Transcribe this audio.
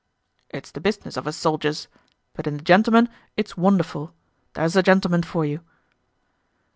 "It's the business of us soldiers. But in a gentleman it's wonderful! There's a gentleman for you!"